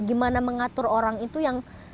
gimana mengatur orang itu yang